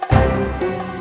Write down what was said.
ya allah opi